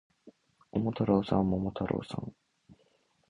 桃太郎さん、桃太郎さん